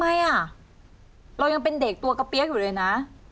ทำไมอ่ะเรายังเป็นเด็กตัวกระเปี๊ยกอยู่เลยนะ